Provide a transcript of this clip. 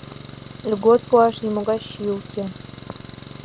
Льгот пуаш нимогай чий уке...